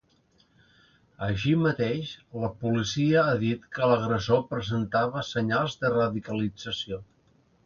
Així mateix, la policia ha dit que l’agressor presentava senyals de radicalització.